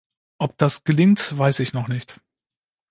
Ob das gelingt, weiß ich noch nicht.